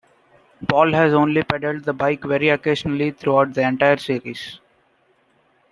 Paul has only pedalled the bike very occasionally throughout the entire series.